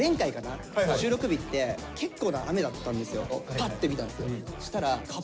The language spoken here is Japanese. パッて見たんですよ。